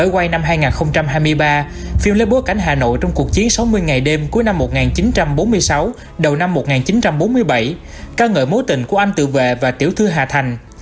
quay năm hai nghìn hai mươi ba phim lấy bố cảnh hà nội trong cuộc chiến sáu mươi ngày đêm cuối năm một nghìn chín trăm bốn mươi sáu đầu năm một nghìn chín trăm bốn mươi bảy ca ngợi mối tình của anh tự vệ và tiểu thư hà thành